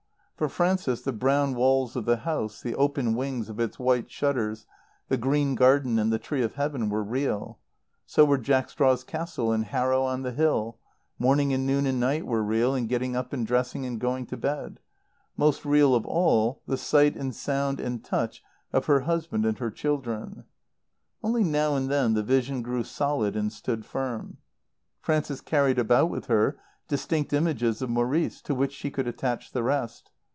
For Frances the brown walls of the house, the open wings of its white shutters, the green garden and tree of Heaven were real; so were Jack Straw's Castle and Harrow on the Hill; morning and noon and night were real, and getting up and dressing and going to bed; most real of all the sight and sound and touch of her husband and her children. Only now and then the vision grew solid and stood firm. Frances carried about with her distinct images of Maurice, to which she could attach the rest.